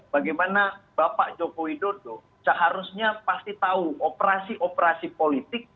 bagaimana bapak joko widodo seharusnya pasti tahu operasi operasi politik